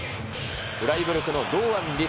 フライブルクの堂安律。